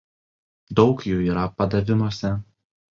Daug jų yra padavimuose.